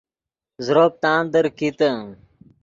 زروپ تاندیر کیتے